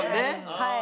はい。